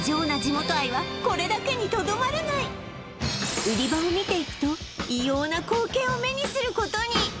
さらに売り場を見ていくと異様な光景を目にすることに！